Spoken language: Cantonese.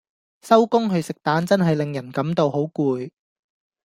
收工去食彈真係令人感到好攰